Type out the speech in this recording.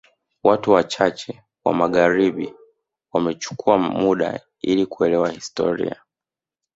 Watu wachache wa magharibi wamechukua muda ili kuelewa historia